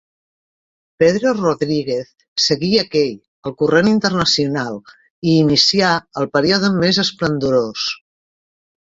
Pedro Rodríguez seguí aquell el corrent internacional i inicià el període més esplendorós.